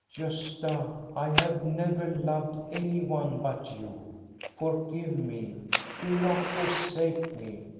" Gosta, I have never loved any one but you. For give me. Do not forsake me!